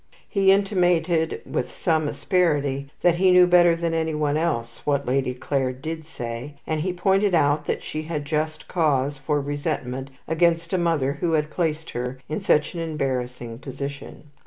He intimated with some asperity that he knew better than anyone else what Lady Clare did say, and he pointed out that she had just cause for resentment against a mother who had placed her in such an embarrassing position.